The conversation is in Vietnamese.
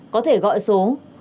có thể gọi số